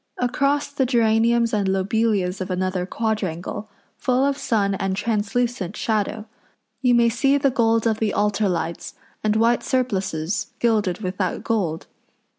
Across the geraniums and lobelias of another quadrangle, full of sun and translucent shadow, you may see the gold of the altar lights, and white surplices gilded with that gold.